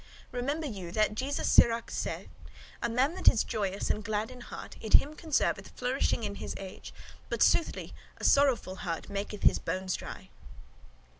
Remember you that Jesus Sirach saith, 'A man that is joyous and glad in heart, it him conserveth flourishing in his age: but soothly a sorrowful heart maketh his bones dry.